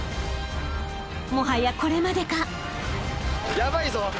［もはやこれまでか］